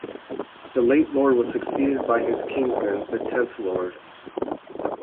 The late Lord was succeeded by his kinsman, the tenth Lord.